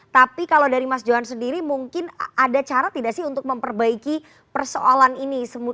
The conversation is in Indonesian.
tapi kalau dari mas johan sendiri mungkin ada cara tidak sih untuk memperbaiki persoalan ini